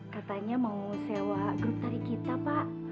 katanya mau sewa grup tari kita pak